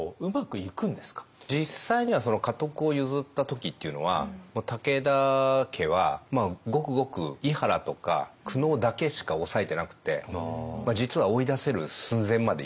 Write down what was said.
実際には家督を譲った時っていうのは武田家はごくごく庵原とか久能だけしかおさえてなくて実は追い出せる寸前までいってたんですよね。